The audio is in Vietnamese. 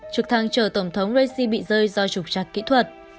trực thăng chở tổng thống raisi bị rơi do trục trạc kỹ thuật